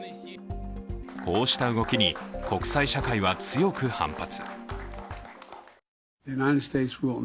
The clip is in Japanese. こうした動きに国際社会は強く反発。